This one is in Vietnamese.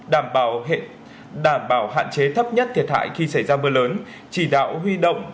đảm bảo hạn chế thấp nhất thiệt hại khi xảy ra mưa lớn chỉ đạo huy động